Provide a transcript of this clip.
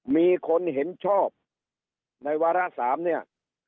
มีคนเห็นชอบในวาระ๓เนี่ย